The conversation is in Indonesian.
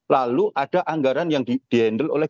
lalu ada anggaran yang di handle oleh